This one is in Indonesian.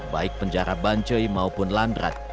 baik penjara bancoi maupun landrat